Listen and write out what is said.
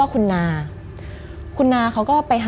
มันกลายเป็นรูปของคนที่กำลังขโมยคิ้วแล้วก็ร้องไห้อยู่